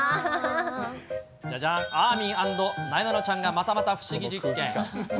じゃじゃーん、あーみん＆なえなのちゃんがまたまた不思議実験。